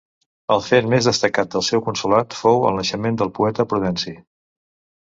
El fet més destacat del seu consolat fou el naixement del poeta Prudenci.